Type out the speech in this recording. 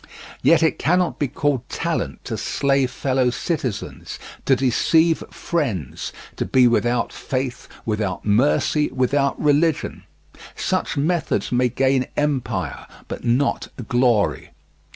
Yet it cannot be called talent to slay fellow citizens, to deceive friends, to be without faith, without mercy, without religion; such methods may gain empire, but not glory.